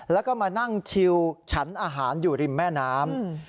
แล้วก็มานั่งชิวฉันอาหารอยู่ริมแม่น้ำ